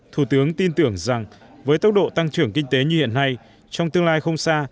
thủ tướng tin tưởng rằng với tốc độ tăng trưởng kinh tế như hiện nay trong tương lai không xa